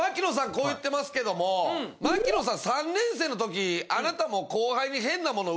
こう言ってますけども槙野さん３年生のときあなたも。え？